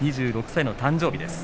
２６歳の誕生日です。